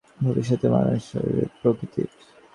ভবিষ্যতের মানুষ হইবেন এই প্রকৃতির।